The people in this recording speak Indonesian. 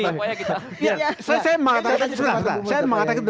saya mau katakan satu hal saya mau katakan satu